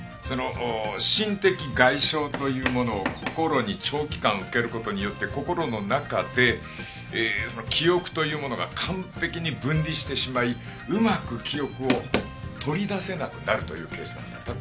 その心的外傷というものを心に長期間受ける事によって心の中で記憶というものが完璧に分離してしまいうまく記憶を取り出せなくなるというケースなんだ。